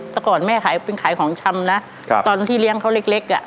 แต่ก่อนแม่ขายเป็นขายของชำนะตอนที่เลี้ยงเขาเล็กอ่ะ